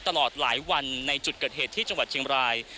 ตลอดหลายวันในจุดเกิดเหตุที่จังหวัดเชียงบราย